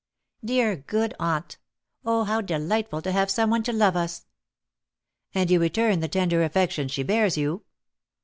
"Dear, good aunt! Oh, how delightful to have some one to love us!" "And you return the tender affection she bears you?"